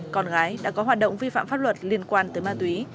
con gái đã có hoạt động vi phạm pháp luật liên quan tới ma túy